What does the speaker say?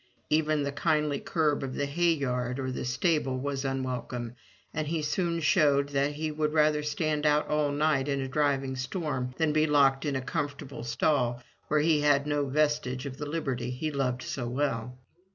Even the kindly curb of the hay yard or the stable was unwelcome, and he soon showed that he would rather stand out all night in a driving storm than be locked in a comfortable stall where he had no vestige of the liberty he loved so well.